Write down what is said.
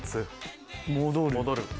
戻る。